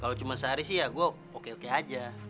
kalau cuma sehari sih ya gue oke oke aja